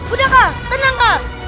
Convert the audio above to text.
udah kak tenang kak